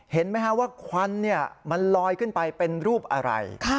เห็นไหมฮะว่าควันมันลอยขึ้นไปเป็นรูปอะไร